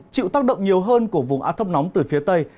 chịu tác động nhiều hơn của vùng át thấp nóng từ phía tây